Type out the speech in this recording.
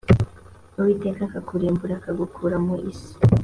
uwiteka akakurimbura akagukura mu isi